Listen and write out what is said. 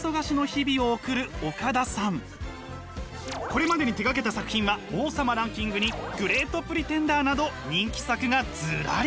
これまでに手がけた作品は「王様ランキング」に「ＧＲＥＡＴＰＲＥＴＥＮＤＥＲ」など人気作がずらり！